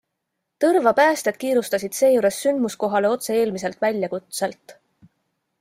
Tõrva päästjad kiirustasid seejuures sündmuskohale otse eelmiselt väljakutselt.